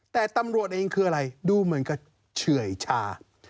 แต่ตำรวจเองคืออะไรดูเหมือนกับเฉื่อยชา